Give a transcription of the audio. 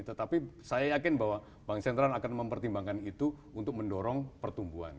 tetapi saya yakin bahwa bank sentral akan mempertimbangkan itu untuk mendorong pertumbuhan